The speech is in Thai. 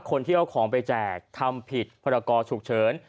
คนที่เอาของไปแจกทำผิดพรกรฉุกเฉิน